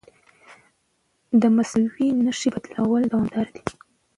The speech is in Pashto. د مصنوعي نښې بدلون دوامداره دی.